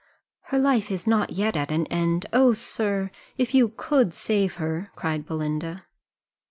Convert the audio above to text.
"Her life is not yet at an end oh, sir, if you could save her!" cried Belinda.